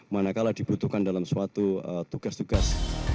manakala dibutuhkan dalam suatu tugas tugas